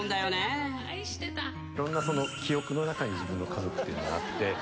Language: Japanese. いろんなその記憶の中に、自分の家族っていうのがあって。